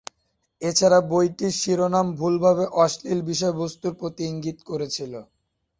এছাড়া, বইটির শিরোনাম ভুলভাবে অশ্লীল বিষয়বস্তুর প্রতি ইঙ্গিত করেছিল।